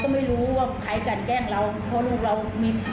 นี่มันให้เราเปิด